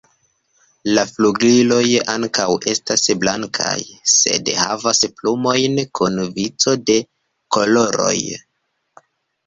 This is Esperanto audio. La flugiloj ankaŭ estas blankaj, sed havas plumojn kun vico de koloroj.